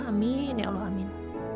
amin ya allah amin